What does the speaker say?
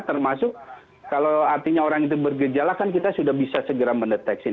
termasuk kalau artinya orang itu bergejala kan kita sudah bisa segera mendeteksi